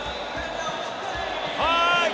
はい！